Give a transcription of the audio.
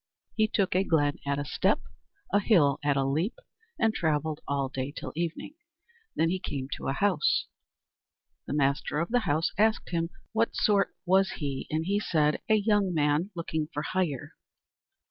He took a glen at a step, a hill at a leap, and travelled all day till evening. Then he came to a house. The master of the house asked him what sort was he, and he said: "A young man looking for hire."